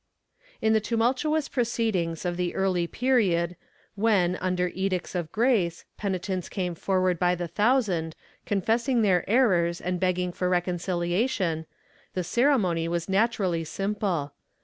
In the tumultuous proceedings of the early period when, under Edicts of Grace, penitents came forward by the thousand, confess ing their errors and begging for reconciliation, the ceremony was naturally simple.